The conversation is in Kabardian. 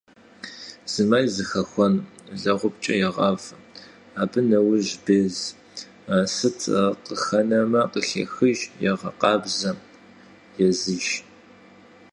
Зы мэл зыхэхуэн лэгъупкӏэ егъавэ, абы нэужь без, сыт къыхэнэмэ, къыхехыж, егъэкъабзэ, езыж.